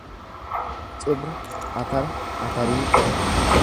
Cibra atara, atarii